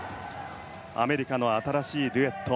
アメリカの新しいデュエット。